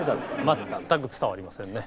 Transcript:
全く伝わりませんね。